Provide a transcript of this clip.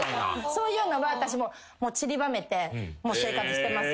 そういうのは私ちりばめて生活してますよ。